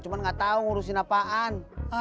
cuma gatau ngurusin apaan